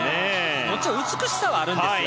もちろん美しさはあるんですよ。